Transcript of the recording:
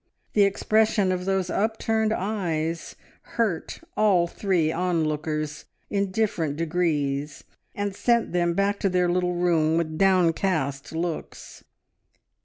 The expression of those upturned eyes hurt all three onlookers in different degrees, and sent them back to their little room with downcast looks.